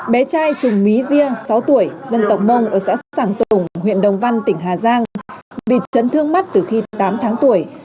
bé trai sùng mí diê sáu tuổi dân tộc mông ở xã sảng tùng huyện đồng văn tỉnh hà giang bị chấn thương mắt từ khi tám tháng tuổi